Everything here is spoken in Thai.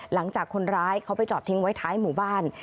หลังจากคนร้ายเขาไปจอดทิ้งไว้ท้ายหมู่บ้าน